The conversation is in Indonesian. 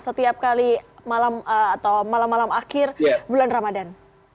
setiap kali malam atau malam malam akhir bulan ramadan